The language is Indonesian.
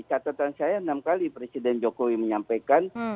catatan saya enam kali presiden jokowi menyampaikan